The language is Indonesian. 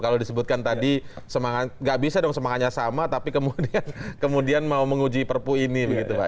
kalau disebutkan tadi tidak bisa dong semangatnya sama tapi kemudian mau menguji perpu ini